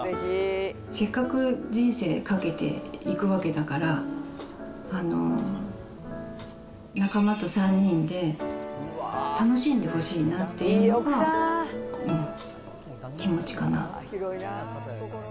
せっかく人生かけていくわけだから、仲間と３人で楽しんでほしいなっていうのが気持ちかな。